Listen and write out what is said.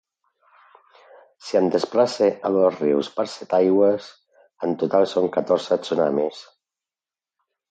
Si em desplace a Dosrius per Setaigües, en total són catorze tsunamis.